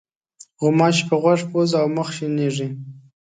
غوماشې په غوږ، پوزه او مخ شېنېږي.